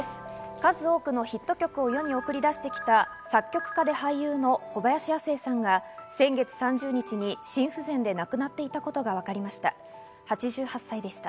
数多くのヒット曲を世に送り出してきた作曲家で俳優の小林亜星さんが先月３０日に心不全で亡くなっていたことがわかりました。